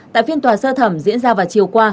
tại phiên tòa sơ thẩm diễn ra vào chiều qua